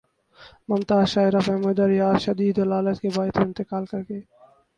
ممتاز شاعرہ فہمیدہ ریاض شدید علالت کے باعث انتقال کر گئیں